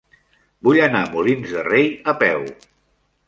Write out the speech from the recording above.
Vull anar a Molins de Rei a peu.